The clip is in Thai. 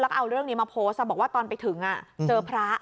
แล้วก็เอาเรื่องนี้มาโพสต์บอกว่าตอนไปถึงเจอพระ